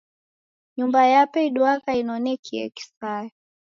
Nyumba yape iduagha inonekie kisaya.